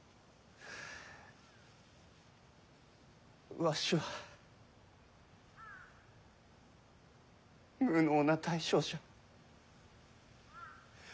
わしは無能な大将じゃ。